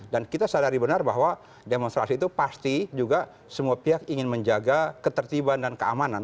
dan kita sadari benar bahwa demonstrasi itu pasti juga semua pihak ingin menjaga ketertiban dan keamanan